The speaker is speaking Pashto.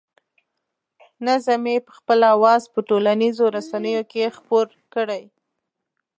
نظم یې په خپل اواز په ټولنیزو رسنیو کې خپور کړی.